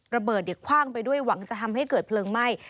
ระเบิดคว่างไปด้วยหวังจะทำให้เกิดเพลิงไหม้